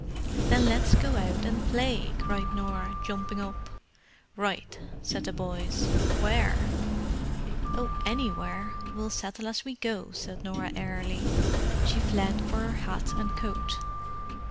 "Then let's go out and play," cried Norah, jumping up. "Right!" said the boys. "Where?" "Oh, anywhere—we'll settle as we go!" said Norah airily. She fled for her hat and coat.